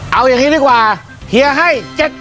เอาอย่างนี้ดีกว่าเฮียให้๗๐๐